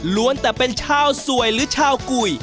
แต่เป็นชาวสวยหรือชาวกุย